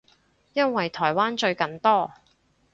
因為台灣最近多